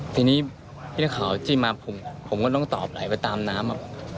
ทีนี้พี่นักข่าวจิ้มมาผมก็ต้องตอบไหลไปตามน้ำ